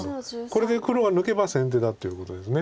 これで黒は抜けば先手だっていうことです。